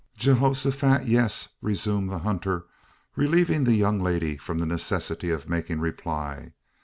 "Geehosofat, yes!" resumed the hunter, relieving the young lady from the necessity of making reply.